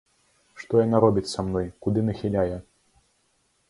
Што яна робіць са мной, куды нахіляе?